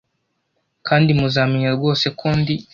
kandi muzamenya rwose ko ndi